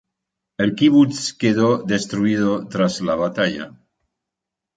El kibutz quedó destruido tras la batalla.